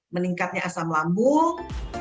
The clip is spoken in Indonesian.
meningkatnya asam lambung